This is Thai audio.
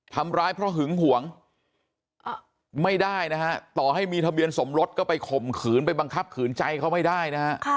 ทำร้ายเพราะหึงหวงไม่ได้นะฮะต่อให้มีทะเบียนสมรสก็ไปข่มขืนไปบังคับขืนใจเขาไม่ได้นะฮะ